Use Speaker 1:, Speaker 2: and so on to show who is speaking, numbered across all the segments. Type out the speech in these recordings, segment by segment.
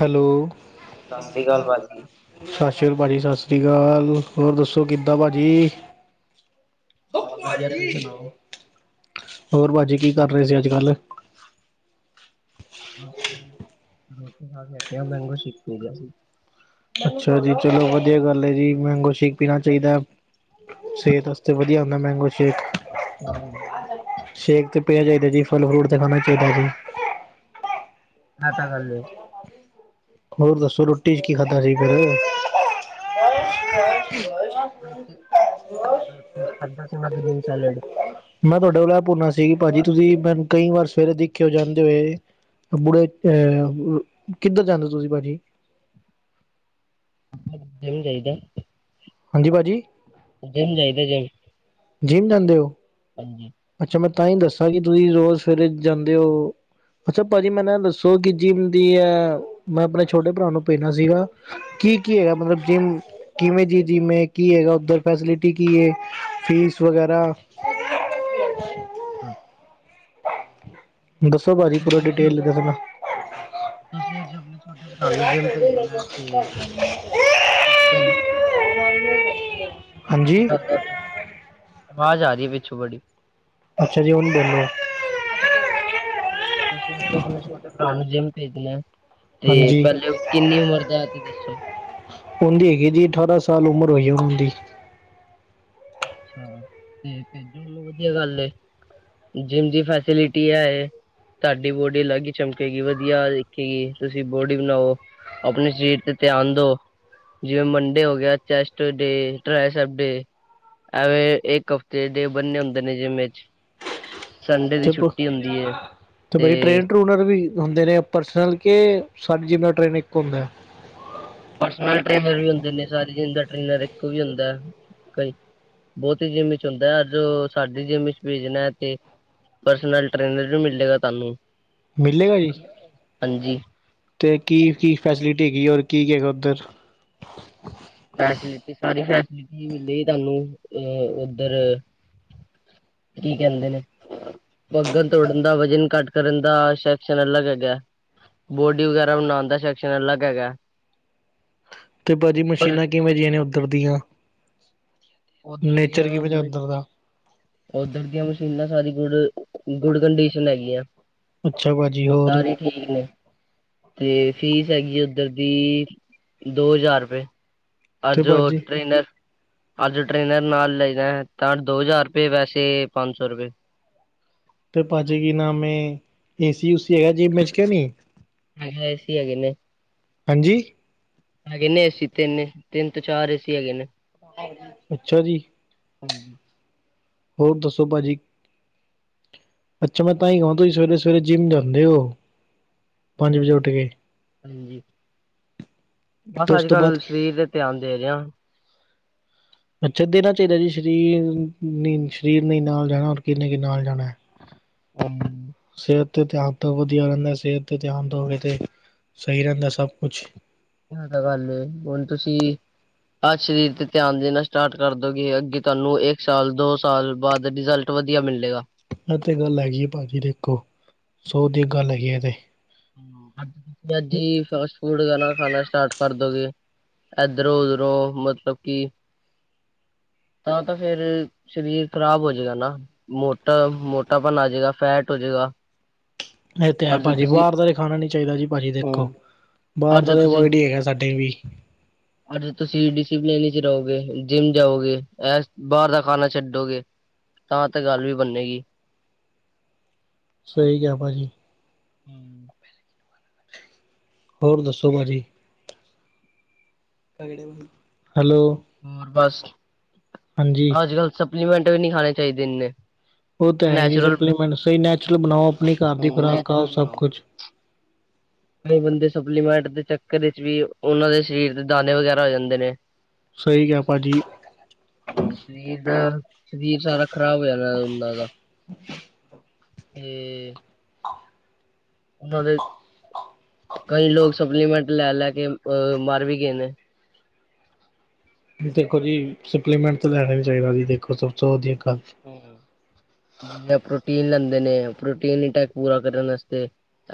Speaker 1: Hello. ਸਤਿ ਸ਼੍ਰੀ ਅਕਾਲ ਭਾਜੀ, ਸਤਿ ਸ਼੍ਰੀ ਅਕਾਲ। ਹੋਰ ਦੱਸੋ ਕਿੱਦਾਂ ਭਾਜੀ?
Speaker 2: ਬਸ ਵਧੀਆ ਤੁਸੀਂ ਸੁਣਾਓ?
Speaker 1: ਹੋਰ ਬਾਜੀ, ਕੀ ਕਰ ਰਹੇ ਸੀ ਅੱਜ ਕੱਲ?
Speaker 2: ਬਾਸ ਰੋਟੀ ਖਾ ਕੇ ਹਟਿਆਂ, ਮੰਗੋ ਸ਼ੇਕ ਪੀ ਰਯਾ ਸੀ।
Speaker 1: ਅੱਛਾ ਜੀ, ਚਲੋ ਵਧੀਆ ਗੱਲ ਐ ਜੀ, ਮੈਂਗੋ ਸ਼ੇਕ ਪੀਨਾ ਚਾਹੀਦਾ। ਸੇਹਤ ਵਾਸਤੇ ਵਧੀਆ ਹੁੰਦਾ ਮੈਂਗੋ ਸ਼ੇਕ, ਸ਼ੇਕ ਤੇ ਪੀਨਾ ਚਾਹੀਦਾ ਜੀ, ਫਲ-ਫਰੂਟ ਤੇ ਖਾਨਾ ਚਾਹੀਦਾ ਜੀ।
Speaker 2: ਐ ਤਾਂ ਗੱਲ ਏ।
Speaker 1: ਹੋਰ ਦੱਸੋ ਰੋਟੀ 'ਚ ਕੀ ਖਾਧਾ ਸੀ ਫੇਰ?
Speaker 2: ਰੋਟੀ ਰੋਟੀ ਖਾਦਾ ਸੀ ਮੈਂ ਗ੍ਰੀਨ ਸੈਲਡ।
Speaker 1: ਮੈਂ ਤੁਹਾਡੇ ਕੋਲ ਏਹ ਪੁੰਨਾ ਨਹੀਂ ਭਾਜੀ ਤੁਸੀਂ ਮੈਨੂੰ ਕਈ ਵਾਰ ਸਵੇਰੇ ਦਿਖੇ ਹੋ ਜਾਂਦੇ ਹੋਏ। ਬੁਢੇ ਅਹ ਕਿੱਧਰ ਜਾਂਦੇ ਓ ਤੁਸੀਂ ਭਾਜੀ?
Speaker 2: ਜਿੰਮ ਜਾਇਦਾ।
Speaker 1: ਹਾਂਜੀ ਪਾਜੀ?
Speaker 2: ਜਿੰਮ ਜਾਈਦਾ ਜਿੰਮ।
Speaker 1: ਜਿੰਮ ਜਾਂਦੇ ਓ?
Speaker 2: ਹਾਂਜੀ।
Speaker 1: ਅੱਛਾ, ਮੈਂ ਤਾਂਹੀ ਦੱਸਾਂ ਕਿ ਤੁਸੀਂ ਰੋਜ਼ ਸਵੇਰੇ ਜਾਂਦੇ ਓ। ਅੱਛਾ, ਭਾਜੀ ਮੈਂਨੂੰ ਇਹ ਦੱਸੋ ਕਿ ਜਿਮ ਦੀ ਆ ਮੈਂ ਅਪਨੇ ਛੋਟੇ ਭਰਾ ਨੂੰ ਭੇਜਣਾ ਸੀਗਾ। ਕੀ ਕੀ ਹੈਗਾ? ਮਤਲਬ ਜਿੰਮ ਕਿਵੇਂ ਜੀ ਜਿੰਮ ਐ, ਕੀ ਹੈਗਾ ਉੱਧਰ, ਫੈਸਿਲਿਟੀ ਕੀ ਏ? ਫੀਸ ਵਗੈਰਾ। [unintelligible]
Speaker 2: [inaudible]
Speaker 1: ਦੱਸੋ ਭਾਜੀ, ਪੂਰਾ
Speaker 2: ਤੁਸੀਂ ਅੱਜ
Speaker 1: ਡਿਟੇਲ ਚ ਦੱਸਨਾ।
Speaker 2: ਤੁਸੀਂ ਅੱਜ ਆਪਣੇ ਛੋਟੇ ਭਰਾ ਨੂੰ ਜਿੰਮ ਭੇਜਣਾ ਤੇ ਤੁਸੀਂ ਤੁਸੀ
Speaker 1: ਹਾਂਜੀ
Speaker 2: [unintelligible] ਆਵਾਜ਼ ਆ ਰਹੀ ਐ ਪਿੱਛੋਂ ਬੜੀ।
Speaker 1: ਅੱਛਾ ਜੀ ਹੁਨ ਬੋਲੋ।
Speaker 2: ਤੁਸੀ [unintelligible] ਅਪਨੇ ਛੋਟੇ ਭਰਾ ਨੂੰ ਜਿੰਮ ਭੇਜਨਾ ਐ ਤੇ
Speaker 1: ਹਾਂਜੀ
Speaker 2: ਪਹਿਲੇ ਕਿੰਨੀ ਉਮਰ ਦਾ, ਐ ਤੇ ਦੱਸੋ
Speaker 1: ਉਂਦੀ ਹੈਗੀ ਜੀ ਅਠਾਰਾਂ ਸਾਲ ਉਮਰ ਹੋਈ ਉਨ ਦੀ
Speaker 2: ਅੱਛਾ ਤੇ ਭੇਜੋ, ਚਲੋ ਵਧੀਆ ਗੱਲ ਏ। ਜਿੰਮ ਦੀ ਫੈਸਿਲਿਟੀ ਐ ਏ। ਤਾਡੀ ਬੋਡੀ ਅਲੱਗ ਈ ਚਮਕੇਗੀ ਵਧੀਆ ਦਿਖੇਗੀ। ਤੁਸੀਂ ਬੋਡੀ ਬਣਾਔ ਆਪਣੇ ਸਰੀਰ ਤੇ ਧਿਆਨ ਦੋ ਜਿਵੇਂ ਮੰਡੇ ਹੋ ਗਿਆ ਚੈਸਟ ਡੇ, ਟ੍ਰੈਸਪ ਡੇ ਐਵੇਂ ਇਕ ਹਫ਼ਤੇ ਡੇ ਬੰਨੇ ਹੁੰਦੇ ਨੇ ਜਿੰਮ ਇੱਚ ਸੰਡੇ ਦੀ
Speaker 1: ਤੇ
Speaker 2: ਛੁੱਟੀ ਹੁੰਦੀ ਏ ਤੇ
Speaker 1: ਔਨਾ ਨੂੰ ਵੀ ਹੁੰਦੇ ਨੇ ਪਰਸਨਲ ਕੇ ਸਾਡੀ ਜਿੰਮ ਦਾ ਟ੍ਰੇਨਰ ਇੱਕੋ ਹੁੰਦੈ।
Speaker 2: ਪਰਨਲ ਟ੍ਰੇਨਰ ਵੀ ਹੁੰਦੇ ਨੇ ਸਾਰੇ ਜਿੰਮ ਦਾ ਟ੍ਰੇਨਰ ਇੱਕੋ ਵੀ ਹੁੰਦੈ ਕਈ ਬਹੁਤੀ ਜਿੰਮ ਇੱਚ ਹੁੰਦੈ ਔਰ ਜੋਬ ਸਾਡੀ ਜਿਮ ਇੱਚ ਭੇਜਨੈ ਤੇ ਪਰਸਨਲ ਟ੍ਰੇਨਰ ਨੀ ਮਿਲ ਜੇਗਾ ਤੁਾਨੂੰ।
Speaker 1: ਮਿਲੇਗਾ ਜੀ
Speaker 2: ਹਾਂਜੀ।
Speaker 1: ਤੇ ਕੀ-ਕੀ ਫੈਸਿਲਿਟੀ ਹੈਗੀ ਏ ਹੋਰ ਕੀ-ਕੀ ਹੈਗੈ ਉੱਧਰ?
Speaker 2: ਫੈਸਿਲਿਟੀ, ਸਾਰੀ ਫੈਸਿਲਿਟੀ ਵੀ ਮਿਲੇਗੀ ਤਾਨੂੰ ਏ ਔਦਰ। ਕੀ ਕੈਂਦੇ ਨੇ? ਭੱਗਨ-ਦੋੜਨ ਦਾ, ਵਜਨ ਘੱਟ ਕਰਨ ਦਾ ਸੈਕਸ਼ਨ ਅਲਗ ਹੈਗੈ। ਬੋਡੀ ਵਗੈਰਾ ਬਨਾਣ ਦਾ ਸੈਕਸ਼ਨ ਅਲਗ ਹੈਗੈ।
Speaker 1: [inaudible] ਤੇ ਪਾ ਜੀ ਮਸ਼ੀਨਾਂ ਕਿਵੇਂ ਜਿਹੀਆਂ ਨੇ ਔਧਰ ਦੀਆਂ? ਨੇਚਰ ਕਿਵੇਂ ਜਿਐ ਔਧਰ ਦਾ?
Speaker 2: ਔਧਰ ਦੀਆਂ ਮਸ਼ੀਨਾਂ ਸਾਰੀ ਗੁਡ, ਗੁੱਡ ਕੰਡੀਸ਼ਨ ਹੈਗੀਆਂ।
Speaker 1: ਅੱਛਾ ਭਾਜੀ ਹੋਰ
Speaker 2: ਸਾਰੇ ਤੇ ਫੀਸ ਹੈਗੀ ਏ ਔਧਰ ਦੀ ਦੋ ਹਜ਼ਾਰ ਰੁਪਏ। ਆ
Speaker 1: ਤੇ
Speaker 2: ਜੋ
Speaker 1: ਭਾਜੀ
Speaker 2: ਟ੍ਰੇਨਰ ਅੱਜ ਟ੍ਰੇਨਰ ਨਾਲ ਲਈਦੈ ਤਾਂ ਦੋ ਹਜ਼ਾਰ ਰੁਪਏ, ਵੈਸੇ ਪੰਜ ਸੌ ਰੁਪਏ।
Speaker 1: ਤੇ ਭਾ ਜੇ ਕੀ ਨਾਮ ਏ ਏਸੀ-ਉਸੀ ਹੈ ਜਿੰਮ ਇੱਚ, ਕੇ ਨਈ।
Speaker 2: ਹੈਗਾ, ਏਸੀ ਹੈਗੇ ਨੇ।
Speaker 1: ਹਾਂਜੀ।
Speaker 2: ਹੈਗੇ ਨੇ ਏਸੀ ਤਿੰਨ ਏ। ਤਿੰਨ ਤੋਂ ਚਾਰ ਏਸੀ ਹੈਗੇ ਨੇ।
Speaker 1: ਅੱਛਾ ਜੀ।
Speaker 2: ਹੂੰ।
Speaker 1: ਹੋਰ ਦੱਸੋ ਭਾਜੀ। ਅੱਛਾ ਮੈਂ ਤਾਂ ਈ ਕਵਾਂ ਤੁਸੀ ਸਵੇਰੇ-ਸਵੇਰੇ ਜਿੰਮ ਜਾਂਦੇ ਔ, ਪੰਜ ਵਜੇ
Speaker 2: ਹਾਂਜੀ,
Speaker 1: ਉੱਠ ਕੇ।
Speaker 2: ਬਸ
Speaker 1: ਤੇ ਉਸ
Speaker 2: ਅੱਜ
Speaker 1: ਤੋਂ ਬਾਅਦ
Speaker 2: ਕੱਲ ਸਰੀਰ ਤੇ ਧਿਆਨ ਦੇ ਰਿਆਂ।
Speaker 1: ਅੱਛਾ ਦੇਣਾ ਚਾਹੀਦੈ ਜੀ ਸ਼ਰੀਰ ਨੇ, ਸ਼ਰੀਰ ਨੇ ਈ ਨਾਲ ਜਾਣਾ ਔਰ ਕਿੰਨੇ ਕ ਨਾਲ ਜਾਣੈ।
Speaker 2: ਅਮ।
Speaker 1: ਸੇਅਤ ਤੇ ਧਿਆਨ ਤੋਂ ਵਧੀਆ ਰੈਂਦਾ ਸੇਅਤ ਤੇ ਧਿਆਨ ਦੋਗੇ ਤੇ ਸਈ ਰੇਂਦਾ ਸਭ ਕੁਛ।
Speaker 2: ਇਹ ਤਾਂ ਗੱਲ ਏ। ਹੁਣ ਤੁਸੀ ਅੱਜ ਸਰੀਰ ਤੇ ਧਿਆਨ ਦੇਣਾ ਸਟਾਰਟ ਕਰ ਦੋਗੇ ਅੱਗੇ ਤੁਆਨੂੰ ਇੱਕ ਸਾਲ, ਦੋ ਸਾਲ ਬਾਦ ਰਿਜ਼ਲਟ ਵਧੀਆ ਮਿਲੇਗਾ।
Speaker 1: ਐ ਤੇ ਗੱਲ ਹੈਗੀ ਏ ਪਾ ਜੀ ਦੇਖੋ ਸੋ ਦੀ ਇੱਕ ਗੱਲ ਹੈਗੀ ਏ ਐ ਤੇ
Speaker 2: ਜੀ ਫਾਸਟ ਫੂਡ ਰੋਜਾਨਾ ਖਾਣਾ ਸਟਾਰਟ ਕਰ ਦੋਗੇ ਇਧਰੋਂ ਉਧਰੋਂ ਮਤਲਬ ਕਿ ਤਾਂ ਤੇ ਫੇਰ ਸਰੀਰ ਖ਼ਰਾਬ ਹੋਜੇਗਾ ਨਾ। ਮੋਟਾ, ਮੋਟਾਪਨ ਆ ਜੇਗਾ, ਫੈਟ ਹੋਜੇਗਾ।
Speaker 1: ਐ ਤੇ ਹੈ ਭਾਜੀ ਬਾਰ ਦਾ ਤੇ ਖਾਣਾ ਨੀ ਚਾਈਦਾ ਜੀ ਪਾਜੀ
Speaker 2: ਹੂੰ
Speaker 1: ਦੇਖੋ,
Speaker 2: ਔਰ
Speaker 1: ਬਾਰ ਦਾ
Speaker 2: ਜੇ
Speaker 1: ਤੇ
Speaker 2: ਤੁਸੀਂ
Speaker 1: ਅਵੋਇਡ ਹੀ ਹੈਗੈ ਸਾਡੇ ਵੀ।
Speaker 2: ਅੱਜ ਤੁਸੀਂ ਡਿਸੀਪਲਨ ਇੱਚ ਰਔਗੇ, ਜਿੰਮ ਜਾਔਗੇ, ਐਸ, ਬਾਰ ਦਾ ਖਾਣਾ ਛੱਡੋਗੇ ਤਾਂ ਤੇ ਗੱਲ ਵੀ ਬੰਨੇਗੀ।
Speaker 1: ਸਈ ਕਿਐ ਪਾਜੀ।
Speaker 2: ਹੂੰ।
Speaker 1: ਹੋਰ ਦੱਸੋ ਭਾਅਜੀੀ। ਹੈਲੋ?
Speaker 2: ਹੋਰ ਬਸ।
Speaker 1: ਹਾਂਜੀ
Speaker 2: ਅੱਜ ਕੱਲ੍ਹ ਸਪਲੀਮੈਂਟ ਵੀ ਨਹੀਂੀ ਖਾਣੇ ਚਾਹੀਦੇ ਇਨੇ।
Speaker 1: ਉਹ ਤਾਂ ਹੈ ਜੀ ਸਪਲੀਮੈਂਟ ਸਹੀ ਨੈਚੁਰਲ ਬਣਾਓ ਆਪਣੀ ਘਰ ਦੀ
Speaker 2: ਹੂੰ
Speaker 1: ਖੁਰਾਕ ਖਾਓ
Speaker 2: ਨੈਚੁਰਲ
Speaker 1: ਸਭ
Speaker 2: ਬਣਾਓ
Speaker 1: ਕੁਛ।
Speaker 2: ਕਈ ਬੰਦੇ ਸਪਲੀਮੈਂਟ ਦੇ ਚੱਕਰ ਵਿੱਚ ਵੀ ਉਹਨਾਂ ਦੇ ਸਰੀਰ ਦੇ ਦਾਣੇ ਵਗੈਰਾ ਹੋ ਜਾਂਦੇ ਨੇ।
Speaker 1: ਸਹੀ ਕਿਹਾ ਭਾਜੀ।
Speaker 2: ਹਮ ਸਰੀਰ ਦਾ ਸਰੀਰ ਸਾਰਾ। ਖ਼ਰਾਬ ਹੋ ਨਾਂ ਦਾ। ਹਮ ਉਹਨਾਂ ਦੇ ਕਈ ਲੋਕ ਸਪਲੀਮੈਂਟ ਲੈ ਲੈ ਕੇ ਅਹ ਮਰ ਵੀ ਗਏ ਨੇ।
Speaker 1: ਦੇਖੋ ਜੀ ਸਪਲੀਮੈਂਟ ਤਾਂ ਲੈਣਾ ਵੀ ਚਾਹੀਦਾ ਜੀ ਦੇਖੋ ਸਭ ਤੋਂ ਵਧੀਆ ਗੱਲ।
Speaker 2: ਹਮ ਜਿਵੇਂ ਪ੍ਰੋਟੀਨ ਲੈਂਦੇ ਨੇ' ਪ੍ਰੋਟੀਨ ਇਟੈਕ ਪੂਰਾ ਕਰਨ ਵਾਸਤੇ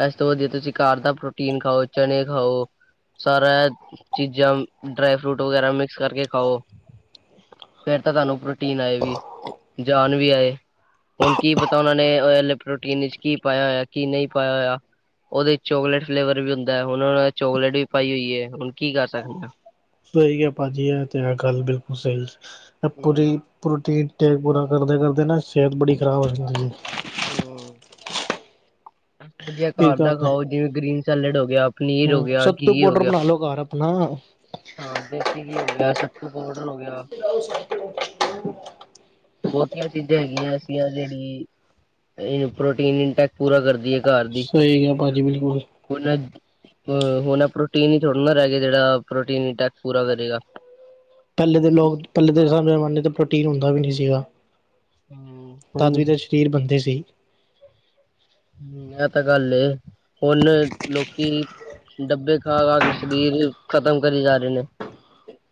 Speaker 2: ਇਸ ਤੋਂ ਵਧੀਆ ਤੁਸੀਂ ਘਰ ਦਾ ਪ੍ਰੋਟੀਨ ਖਾਓ ਚਣੇ ਖਾਓ। ਸਾਰਾ ਚੀਜ਼ਾਂ ਡਰਾਈ ਫਰੂਟ ਵਗੈਰਾ ਮਿਕਸ ਕਰਕੇ ਖਾਓ। ਫੇਰ ਤਾਂ ਤੁਹਾਨੂੰ ਪ੍ਰੋਟੀਨ ਆਏ ਵੀ। ਜਾਾਨ ਵੀ ਆਏ। ਹੁਣ ਕੀ ਪਤਾ ਉਹਨਾਂ ਨੇ ਪ੍ਰੋਟੀਨ ਵਿੱਚ ਕੀ ਪਾਇਆ ਹੋਇਆ ਕੀ ਨਹੀਂ ਪਾਇਆ ਹੋਇਆ। ਉਹਦੇ ਚੋਕਲੇਟ ਫਲੇਵਰ ਵੀ ਹੁੰਦਾ ਹੈ ਹੁਣ ਉਹ ਚੋਕਲੇਟ ਵੀ ਪਾਈ ਹੋਈ ਹੈ' ਹੁਣ ਕੀ ਕਰ ਸਕਦਾ।
Speaker 1: ਸਹੀ ਹੈ ਭਾਜੀ ਇਹ ਤੇ ਆ ਗੱਲ ਬਿਲਕੁਲ ਸਹੀ ਪੂਰੀ ਪ੍ਰੋਟੀਨ। ਟੇਕ ਪੂਰਾ ਕਰਦੇ ਕਰਦੇ ਨਾ ਸਿਹਤ ਬੜੀ ਖਰਾਬ ਹੋ ਜਾਂਦੀ ਜ।
Speaker 2: ਹ ਅ ਅ ਵਦੀਆ
Speaker 1: ਹੈ ਇਹ
Speaker 2: ਘਰ ਦਾ ਖਾਓ ਜਿਵੇਂ ਗ੍ਰੀਨ ਸੈਲਡ ਹੋ ਗਿਆ ਪਨੀਰ ਹੋ
Speaker 1: ਹਮ
Speaker 2: ਗਿਆ
Speaker 1: ਸੱਤੂ
Speaker 2: ਘੀ ਹੋ
Speaker 1: ਪਾੋਡਰ
Speaker 2: ਗਿਆ
Speaker 1: ਬਣਾ ਲੋ ਘਰ ਆਪਣਾ
Speaker 2: ਹਾਂ ਦੇਸੀ ਘੀ ਹੋ ਗਿਆ ਸੱਤੂ ਪਾਊਡਰ ਹੋ ਗਿਆ
Speaker 1: [inaudible] [inaudible]
Speaker 2: ਬਹੁਤੀਆਂ ਚੀਜ਼ਾਂ ਹੈਗੀਆਂ ਅਸੀੀਆਂ ਜਿਹੜੀ ਇਹਨੂੰ ਪ੍ਰੋਟੀਨ ਇਨਟੈਕ ਪੂਰਾ ਕਰਦੀ ਹੈ ਘਰ ਦੀ
Speaker 1: ਸਹੀ ਹੈ ਭਾਜੀ ਬਿਲਕੁਲ
Speaker 2: ਹੁਣ ਹੁਣ ਪ੍ਰੋਟੀਨ ਹੀ ਥੋੜ੍ਹਾ ਨਾ ਰਹਿ ਗ ਜਿਹੜਾ ਪ੍ਰੋਟੀਨ ਟੈਕ ਪੂਰਾ ਕਰੇਗਾ
Speaker 1: ਪਹਿਲੇ ਦੇ ਲੋਕ ਪਹਿਲੇ ਦੇ ਜ਼ਮਾਨੇ ਤੇ ਪ੍ਰੋਟੀਨ ਹੁੰਦਾ ਵੀ ਨਹੀਂ
Speaker 2: ਹਮ ਹੁਣ
Speaker 1: ਸੀਗਾਦ ਵੀ ਅਖੀਰ ਬੰਦੇ ਸੀ
Speaker 2: ਹਮ ਇਹ ਤਾਂ ਗੱਲ ਏ ਹੁਣ ਲੋਕੀ ਡੱਬੇ ਖਾ ਖਾ ਕੇ ਸਰੀਰ ਖ਼ਤਮ ਕਰੀ ਜਾ ਰਹੇ ਨੇ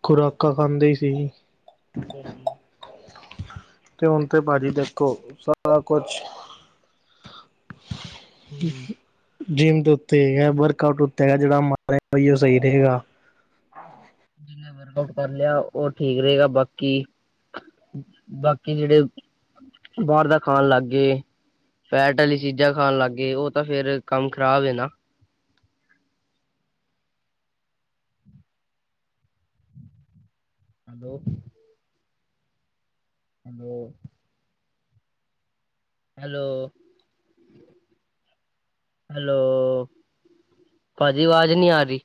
Speaker 1: ਖੁਰਾਕਾਂ ਖਾਂਦੇ ਇ ਸੀ
Speaker 2: ਹਮ
Speaker 1: ਤੇ ਹੁਣ ਤੇ ਭਾਜੀ ਦੇਖੋ ਸਾਰਾ ਕੁਛ ਜਿੰਮ ਦੇ ਉੱਤੇ ਹੈਗਾ ਵਰਕ ਆਊਟ ਉੱਤੇ ਹੈਗਾ ਜਿਹੜਾ ਮਾਰ ਬਾਈ ਉਹ ਸਹੀ ਰਹੇਗਾ
Speaker 2: ਜਿਨਾ ਵਰਕ ਆਊਟ ਕਰ ਲਿਆ ਉਹ ਠੀਕ ਰਹੇਗਾ ਬਾਕੀ ਬਾਕੀ ਜਿਹੜੇ ਬਾਹਰ ਦਾ ਖਾਣ ਲੱਗ ਗਏ। ਫੈਟ ਵਾਲੀ ਚੀਜ਼ਾਂ ਖਾਣ ਲੱਗ ਗਏ' ਉਹ ਤਾਂ ਫੇਿਰ ਕੰਮ ਖ਼ਰਾਬ ਨਾ। ਹੈਲੋ? ਹਲੋ? ਹੈਲੋ ਹੈਲੋ ਪਾਜੀ ਅਵਾਜ਼ ਨਹੀਂ ਆ ਰਹੀ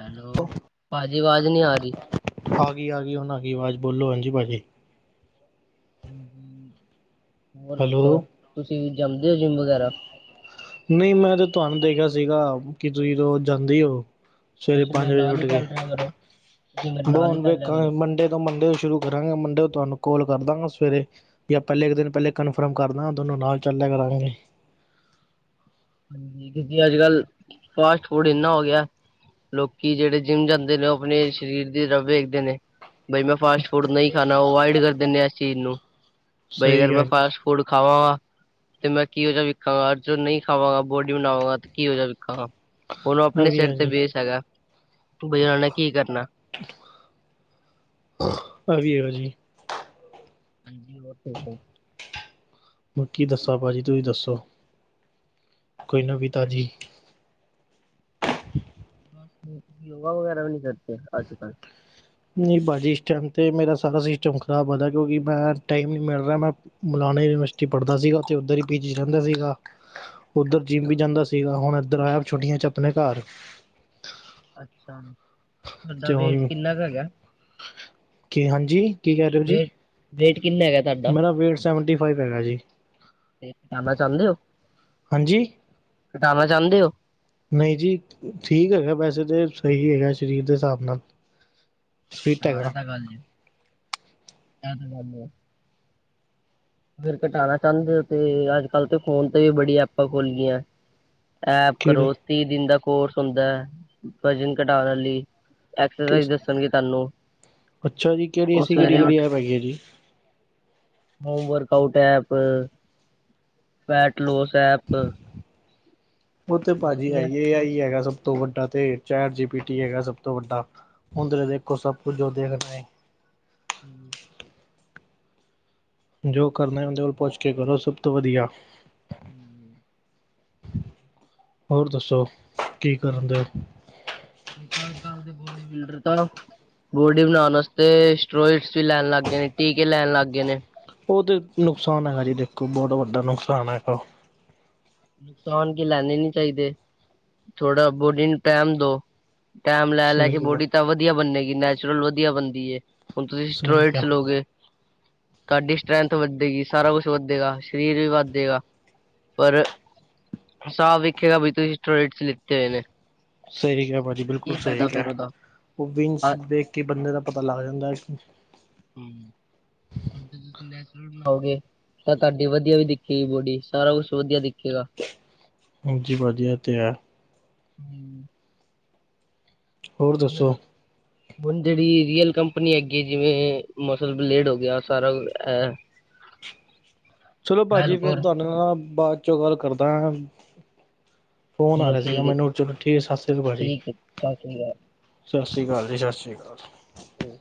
Speaker 2: ਹੈਲੋ ਪਾਜੀ ਆਵਾਜ਼ ਨਹੀਂੀ ਆ ਰਹੀ
Speaker 1: ਆ ਗਈ ਆ ਗਈ ਹੁਨ ਆਗੀ ਆਵਾਜ਼ ਬੋਲੋ ਹਾਂਜੀ ਪਾਜੀ
Speaker 2: ਹਾਂਜੀ ਹੋਰ
Speaker 1: ਹੈਲੋ
Speaker 2: ਦੱਸੋ ਤੁਸੀਂ ਵੀ ਜੰਮਦੇ ਹੋ ਜਿੰਮ ਵਗੈਰਾ
Speaker 1: ਨਹੀਂ ਮੈਂ ਤਾਂ ਤੁਹਾਨੂੰ ਦੇਖਿਆ ਸੀਗਾ ਕਿ ਤੁਸੀਂ ਜਾਂਦੀ ਹੋ ਸਵੇਰੇ
Speaker 2: ਤੁਸੀਂ
Speaker 1: ਪੰਜ
Speaker 2: ਮੇਰੇ
Speaker 1: ਵਜੇ
Speaker 2: ਨਾਲ
Speaker 1: ਉੱਠ
Speaker 2: ਹੀ
Speaker 1: ਕੇ
Speaker 2: ਚੱਲ ਕਰੋ ਤੁਸੀਂ ਮੇਰੇ ਨਾਲ ਹੀ ਚੱਲਿਆ ਕਰੋ
Speaker 1: ਵੇਖਾਂ ਮੰਡੇ ਤੋਂ ਮੰਡੇ ਤੋਂ ਸ਼ੁਰੂ ਕਰਾਂਗੇ ਮੰਡੇ ਤੋਂ ਤੁਹਾਨੂੰ ਕੋਲ ਕਰਦਾਂਗਾ ਸਵੇਰੇ ਵੀ ਪਹਿਲੇ ਇੱਕ ਦਿਨ ਪਹਿਲੇ ਕਨਫਰਮ ਕਰਦਾ ਦੋਨੋਂ ਨਾਲ ਚੱਲ ਲਿਆ ਕਰਾਂਗੇ
Speaker 2: ਹਾਂਜੀ ਅੱਜ ਕੱਲ ਫਾਸਟ ਫੂਡ ਇੰਨਾ ਹੋ ਗਿਆ। ਲੋਕੀ ਜਿਹੜੇ ਜਿੰਮ ਜਾਂਦੇ ਨੇ ਉਹ ਆਪਣੇ ਸਰੀਰ ਦੀ ਰਬ ਵੇਖਦੇ ਨੇ। ਬਈ ਮੈਂ ਫਾਸਟ ਫੂਡ ਨਹੀਂ ਖਾਣਾ ਅਵਇਡ ਕਰ ਦਿੰਦੇ ਇਸ ਚੀਜ਼ ਨੂੰ ਬਈ
Speaker 1: ਸਹੀ
Speaker 2: ਅਗਰ
Speaker 1: ਕਿਹਾ
Speaker 2: ਮੈਂ
Speaker 1: ਜੀ
Speaker 2: ਫਾਸਟ ਫੂ ਫੂਡ ਖਾਵਾਂਗਾ ਤੇ ਮੈਂ ਕਿਹੋ ਜਿਹਾ ਵੀ ਖਾਂਵਾ [unintelligible] ਅੱਜ ਨਹੀਂ ਖਾਵਾਂਗਾ ਬੋਡੀ ਬਣਾਵਾਂਗਾ ਤੇ ਕੀ ਹੋ ਜਾਵੇ ਵੇਖਾਂਗਾ ਉਹਨੂੰ
Speaker 1: ਇਹ
Speaker 2: ਆਪਣੇ
Speaker 1: ਵੀ
Speaker 2: ਸਿਰ
Speaker 1: ਹੈ
Speaker 2: ਤੇ
Speaker 1: ਜੀ
Speaker 2: ਬੇਸ ਹੈਗਾ। ਬਈ ਉਹਨਾਂ ਨੇ ਕੀ ਕਰਨਾ।
Speaker 1: ਆਹੀ ਹੈਗਾ ਜੀ।
Speaker 2: ਹਾਂਜੀ ਉਹ ਹੈ।
Speaker 1: ਕੀ ਦੱਸਾਂ ਭਾਜੀ ਤੁਸੀਂ ਦੱਸੋ ਕੋਈ ਨਵੀ ਤਾਜੀ
Speaker 2: ਯੋਗਾ ਵਗੈਰਾ ਵੀ ਨਹੀਂ ਕਰਦੇ ਅੱਜ ਕੱਲ
Speaker 1: ਨਹੀਂ ਭਾਜੀ ਇਸ ਟਾਈਮ ਤੇ ਮੇਰਾ ਸਾਰਾ ਸਿਸਟਮ ਖ਼ਰਾਬ ਆਦਾ ਕਿਉਂਕਿ ਮੈਂ ਟਾਈਮ ਨਹੀਂ ਮਿਲ ਰਿਹਾ ਮੈਂ ਮੌਲਾਨਾ ਯੂਨੀਵਰਸਿਟੀ ਪੜ੍ਹਦਾ ਸੀਗਾ ਤੇ ਉੱਧਰ ਹੀ ਪੀਜੀ ਰਹਿੰਦਾ ਸੀਗਾ। ਉੱਧਰ ਜਿਮ ਵੀ
Speaker 2: ਅੱਛਾ।
Speaker 1: ਜਾਂਦਾ ਸੀਗਾ ਹੁਣ ਇੱਧਰ ਆਇਆ ਛੁਟੀਆਂ 'ਚ ਆਪਣੇ ਘਾਰ
Speaker 2: ਅੱਛਾ ਤੁਹਾਡਾ
Speaker 1: ਅਤੇ
Speaker 2: ਵੇਟ
Speaker 1: ਹੁਣ
Speaker 2: ਕਿੰਨਾ ਕੁ ਹੈਗਾ।
Speaker 1: ਕੀ ਹਾਂਜੀ ਕੀ ਕਹਿ ਰਹੇ ਹੋ ਜੀ।
Speaker 2: ਵੇਟ ਵੇਟ ਕਿੰਨਾ ਹੈਗਾ। ਤੁਹਾਡਾ
Speaker 1: ਮੇਰਾ ਵੇਟ ਸੈਵਨਟੀ ਫਾਈਵ ਹੈਗਾ ਜੀ।
Speaker 2: ਤੇ ਘਟਾਣਾ ਚਾਹੰਦੇ ਹੋ।
Speaker 1: ਹਾਂਜੀ
Speaker 2: ਹਟਾਣਾ ਚਾਹੁੰਦੇ ਹੋ।
Speaker 1: ਨਹੀਂ ਜੀ ਠੀਕ ਹੈਗਾ ਵੈਸੇ ਤੋ ਸਹੀ ਹੈਗਾ ਸਰੀਰ ਦੇ ਹਿਸਾਬ ਨਾਲ ਫਿਟ
Speaker 2: ਹਾਂ ਐ
Speaker 1: ਹੈਗਾ
Speaker 2: ਤਾਂ ਗੱਲ ਜੇ ਏਂ ਤੇ ਗੱਲ ਏ। ਫਿਰ ਘਟਾਣਾ ਚਾਹੁੰਦੇ ਹੋ ਤੇ ਅੱਜ ਕਲ ਤੇ ਫੋਨ ਤੇ ਵੀ ਬੜੀਆਂ ਐਪਾਂ ਖੋਲ ਗਈਆ। ਐਪ
Speaker 1: ਕਿਹੜੇ
Speaker 2: ਕਰੋ ਤੀਹ ਦਿਨ ਦਾ ਕੋਰਸ ਹੁੰਦਾ ਹੈ। ਵਜਨ ਘਟਾਣ ਲਈ ਐਕਸਰਸਾਈਜ਼ ਦੱਸਣਗੇ ਤੁਹਾਨੂੰ
Speaker 1: ਅੱਛਾ ਜੀ ਕਿਹੜੀ
Speaker 2: ਉਹ
Speaker 1: ਐਸੀ ਕਿਹੜੀ
Speaker 2: ਸਵੇਰੇ
Speaker 1: ਕਿਹੜੀ
Speaker 2: ਉਠ
Speaker 1: ਐਪ ਹੈਗੀ ਹੈ ਜੀ
Speaker 2: home workout app, weight loss app
Speaker 1: ਉਹ ਤੇ ਪਾਜੀ
Speaker 2: ਬਹੁਤੀਆਂ
Speaker 1: ਆਈਏ। ਆ ਹੀ ਹੈਗਾ ਸਭ ਸਭ ਤੋਂ ਵੱਡਾ ਤੇ ਚੈਟ ਜੀ ਪੀ ਟੀ ਹੈਗਾ ਸਭ ਤੋਂ ਵੱਡਾ ਉਂਦੇ ਦੇਖੋ ਸਭ ਕੁਝ ਦੇਖਦਾ
Speaker 2: ਹੂੰ
Speaker 1: ਜੋ ਕਰਨਾ ਉਹਦੇ ਕੋਲ ਪੁੱਛ ਕੇ ਕਰੋ ਸਭ ਤੋਂ ਵਧੀਆ
Speaker 2: ਹੂੰ
Speaker 1: ਹੋਰ ਦੱਸੋ। ਕੀ ਕਰਨ ਦੇ
Speaker 2: ਨਿਤਾਜ-
Speaker 1: ਹੋ?
Speaker 2: ਨਿਤਾਜ ਕਾਲ ਦੇ ਬੋਡੀ ਬਿਲਡਰ ਤਾ ਬੋਡੀ ਬਣਾਣ ਅਸਤੇ ਸਟੋਇਸ ਵੀ ਲੈਣ ਲੱਗ ਗਏ ਨੇ ਟੀਕੇ ਲੈਣ ਲੱਗ ਗਏ ਨੇ।
Speaker 1: ਉਹ ਤੇ ਨੁਕਸਾਨ ਹੈਗਾ ਜੀ ਦੇਖੋ ਬਹੁਤ
Speaker 2: ਹਾਂ।
Speaker 1: ਵੱਡਾ ਨੁਕਸਾਨ ਹੈਗਾ।
Speaker 2: ਨੁਕਸਾਨ ਤੇ ਲੈਣੇੇ ਨੀ ਚਾਹੀਦੇ ਥੋੜਾ ਬੋਡੀ ਨੂੰ ਟਾਇਮ ਦੋ। ਟਾਈਮ ਲੈ -ਲੈ ਕੇ
Speaker 1: ਸਹੀ ਹੈ
Speaker 2: ਬੋਡੀ ਤਾਂ ਵਧੀਆ ਬਣੇਗੀ ਨੈਚੁਰਲ ਵਧੀਆ ਬਣਦੀ ਏ। ਹੁਣ ਤੁਸੀਂ
Speaker 1: ਸਹੀ
Speaker 2: ਸਟਰੋਈਏਡਜ਼
Speaker 1: ਕਿਹਾ
Speaker 2: ਲਓਗੇ। ਤੁਹਾਡੀ ਸਟਰੈਂਥ ਵੱਧੇਗੀ ਸਾਰਾ ਕੁਛ ਵੱਧੇਗਾ ਸਰੀਰ ਵੀ ਵੱਧੇਗਾ ਪਰ ਸਾਫ ਵਿਖੇਗਾ ਬਈ ਤੁਸੀਂ ਸਟੋਰੇਟ ਲਿੱਤੇ ਹੋਏ ਨੇ।
Speaker 1: ਸਹੀ ਕਿਹਾ ਭਾਜੀ ਬਿਲਕੁਲ
Speaker 2: ਕੀ
Speaker 1: ਸਹੀ
Speaker 2: ਫਾਇਦਾ
Speaker 1: ਕਿਹਾ
Speaker 2: ਫੇਰ ਉਹਦਾ।
Speaker 1: ਉਹ ਬੀਨਸ ਦੇਖ ਕੇ ਬੰਦੇ ਦਾ ਪਤਾ ਲੱਗ ਜਾਂਦਾ ਹੈ।
Speaker 2: ਹੂੰ ਜ ਤੁਸੀਂ ਨੈਚੁਰਲ ਬਣਾਓਗੇ ਤਾਂ ਤੁਹਾਡੀ ਵਧੀਆ ਵੀ ਦਿਖੇਗੀ ਬੋਡੀ ਸਾਰਾ ਕੁਛ ਵਧੀਆ ਦਿਖੇਗਾ।
Speaker 1: ਹਾਂਜੀ ਪਾਜੀ ਐ ਤੇ ਹੈ।
Speaker 2: ਹੂੰ
Speaker 1: ਹੋਰ
Speaker 2: ਹੁਣ
Speaker 1: ਦੱਸੋ।
Speaker 2: ਹੁਣ ਜਿਹੜੀ ਰੀਅਲ ਕੰਪਨੀ ਹੈਗੀ ਜਿਵੇਂ ਮਸਲ ਬਲੇਡ ਹੋ ਗਿਆ ਸਾਰਾ ਇਹ
Speaker 1: ਚਲੋ ਪਾਜੀ ਫਿਰ
Speaker 2: ਵੈਲਪੁਰ
Speaker 1: ਤੁਹਾਨੁ ਮੈ ਬਾਅਦ 'ਚੋਂ ਗੱਲ ਕਰਦਾ। ਫੋਨ ਆ
Speaker 2: ਚਲੋ
Speaker 1: ਰਿਹਾ ਸੀ ਗਾ
Speaker 2: ਠੀਕ ਹੈ
Speaker 1: ਮੈਨੁੰ ਚਲੋ ਠੀਕ ਸਤਿ ਸ਼੍ਰੀ ਅਕਾਲ ਪਾਜੀ।
Speaker 2: ਠੀਕ ਹੈ ਸਤਿ ਸ੍ਰੀ
Speaker 1: ਸਤਿ ਸ਼੍ਰੀ ਅਕਾਲ ਜੀ, ਸਤਿ ਸ਼੍ਰੀ ਅਕਾਲ।
Speaker 2: ਹਮ